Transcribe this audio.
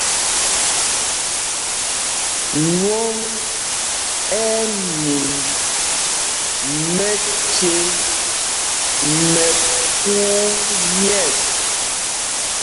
Nwɔŋ ɛ́ ɛ́ min mɛce mɛ kuu mƴɛ̂ɛs.